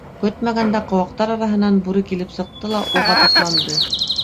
Көтмәгәндә ҡыуаҡтар араһынан бүре килеп сыҡты ла уға ташланды.